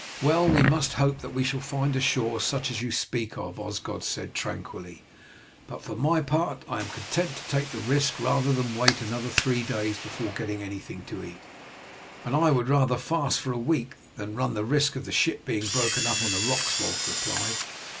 "Well, we must hope that we shall find a shore such as you speak of," Osgod said tranquilly; "but for my part, I am content to take the risk rather than wait another three days before getting anything to eat." "And I would rather fast for a week than run the risk of the ship being broken up on the rocks," Wulf replied.